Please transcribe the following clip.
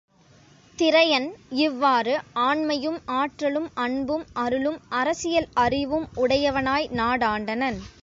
திரையன், இவ்வாறு, ஆண்மையும் ஆற்றலும், அன்பும் அருளும், அரசியல் அறிவும் உடையவனாய் நாடாண்டனன்.